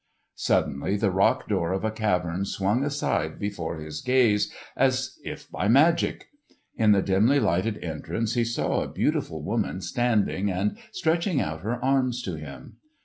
Suddenly the rock door of a cavern swung aside before his gaze as if by magic. In the dimly lighted entrance he saw a beautiful woman standing and stretching out her arms to him.